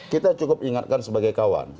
kita cukup ingatkan sebagai kawan